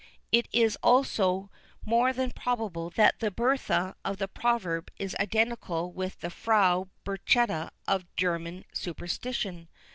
It is also more than probable that the Bertha of the proverb is identical with the Frau Berchta of German superstition.